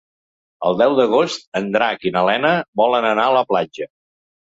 El deu d'agost en Drac i na Lena volen anar a la platja.